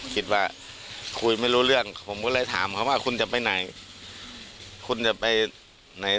คิดว่าคุยไม่รู้เรื่องผมก็เลยถามเขาว่าคุณจะไปไหนคุณจะไปไหน